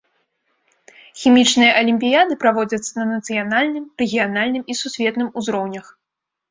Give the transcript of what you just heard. Хімічныя алімпіяды праводзяцца на нацыянальным, рэгіянальным і сусветным узроўнях.